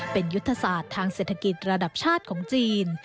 เป็นยุทธศาสตร์ทางเศรษฐกิจระดับชาติของจีน